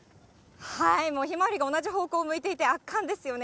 ひまわりが同じ方向を向いていて、圧巻ですよね。